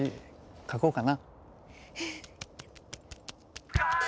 書こうかな。